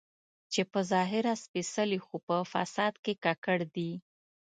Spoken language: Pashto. چې په ظاهره سپېڅلي خو په فساد کې ککړ دي.